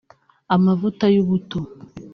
amavuta y’ubuto